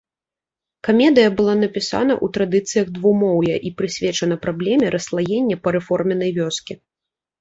Камедыя была напісана ў традыцыях двухмоўя і прысвечана праблеме расслаення парэформеннай вёскі.